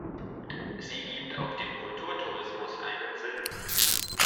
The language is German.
Sie gibt auch dem Kulturtourismus einen Sinn.